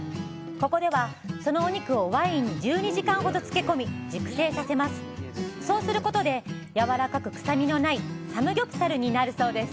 ここではそのお肉をワインに１２時間ほど漬け込み熟成させますそうすることでやわらかく臭みのないサムギョプサルになるそうです